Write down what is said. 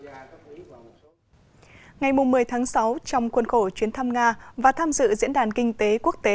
ngày một mươi tháng sáu trong khuôn khổ chuyến thăm nga và tham dự diễn đàn kinh tế quốc tế